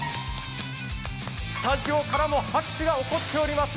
スタジオからも拍手が起こっています。